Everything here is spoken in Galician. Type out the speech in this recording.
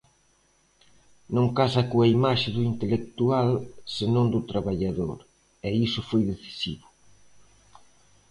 Non casa coa imaxe do intelectual senón do traballador e iso foi decisivo.